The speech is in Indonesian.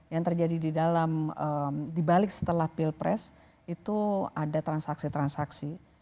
yang terjadi di dalam dibalik setelah pilpres itu ada transaksi transaksi